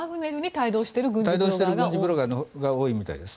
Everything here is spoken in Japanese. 帯同している軍事ブロガーが多いみたいです。